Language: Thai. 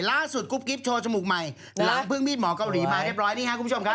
กรุ๊ปกิ๊บโชว์จมูกใหม่หลังพึ่งมีดหมอเกาหลีมาเรียบร้อยนี่ครับคุณผู้ชมครับ